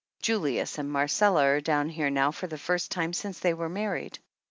Julius and Marcella are down here now for the first time since they were mar ried.